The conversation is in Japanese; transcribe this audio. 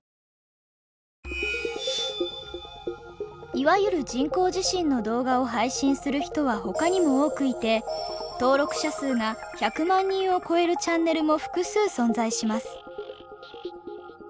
いわゆる人工地震の動画を配信する人は他にも多くいて登録者数が１００万人を超えるチャンネルも複数存在します。